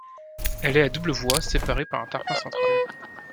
Elle est à doubles voies séparées par un terre-plein central.